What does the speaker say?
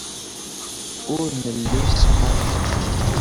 Ur nelli nesɛa lḥeqq.